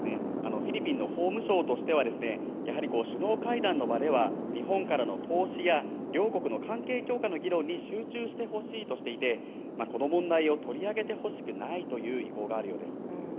フィリピンの法務省としてはやはり首脳会談の場では日本からの投資や両国の関係強化の議論に集中してほしいとしていてこの問題を取り上げてほしくない意向があるようです。